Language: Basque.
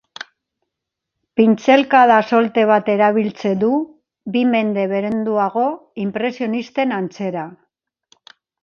Pintzelkada solte bat erabiltze du, bi mende beranduago inpresionisten antzera.